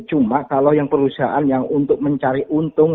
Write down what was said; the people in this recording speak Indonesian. cuma kalau yang perusahaan yang untuk mencari untung